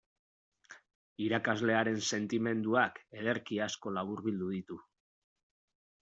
Irakaslearen sentimenduak ederki asko laburbildu ditu.